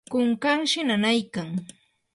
kunkanshi nanaykan.